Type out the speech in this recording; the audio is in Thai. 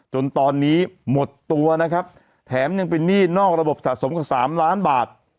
จนตอนนี้หมดตัวนะครับแถมยังเป็นหนี้นอกระบบสะสมกว่า๓ล้านบาท